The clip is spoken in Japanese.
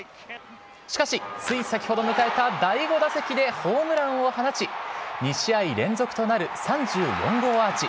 しかし、つい先ほど迎えた第５打席でホームランを放ち、２試合連続となる３４号アーチ。